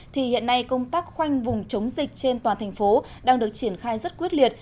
thì hiện nay công tác khoanh vùng chống dịch trên toàn thành phố đang được triển khai rất quyết liệt